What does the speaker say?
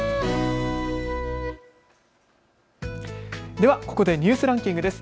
ではここでニュースランキングです。